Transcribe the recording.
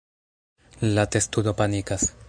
La testudo panikas.